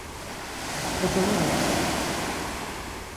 Kodolovipsi.